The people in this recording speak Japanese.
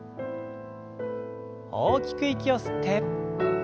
大きく息を吸って。